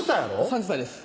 ３０歳です